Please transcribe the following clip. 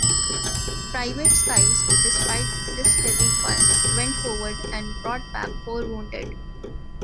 Private Sykes, despite this heavy fire, went forward and brought back four wounded.